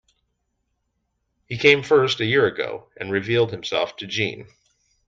He came first a year ago, and revealed himself to Jeanne.